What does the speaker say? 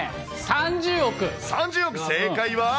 ３０億、正解は？